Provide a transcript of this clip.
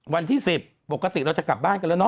วันที่๑๐ปกติเราจะกลับบ้านกันแล้วเน